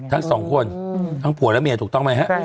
ทั้งสองคนทั้งผัวและเมียถูกต้องไหมฮะ